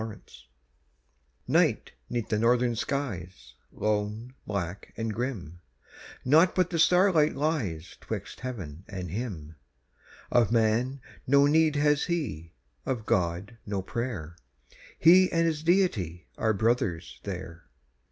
THE CAMPER Night 'neath the northern skies, lone, black, and grim: Naught but the starlight lies 'twixt heaven, and him. Of man no need has he, of God, no prayer; He and his Deity are brothers there.